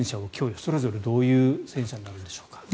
それぞれ、どういう戦車になるんでしょうか。